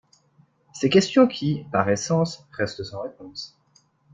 Ces questions qui – par essence – restent sans réponse.